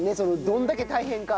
どれだけ大変か。